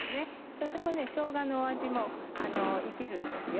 とてもしょうがの味も生きるんですよ。